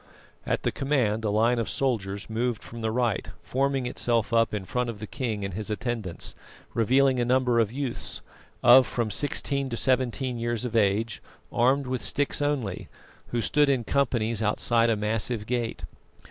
At the command a line of soldiers moved from the right, forming itself up in front of the king and his attendants, revealing a number of youths, of from sixteen to seventeen years of age, armed with sticks only, who stood in companies outside a massive gate.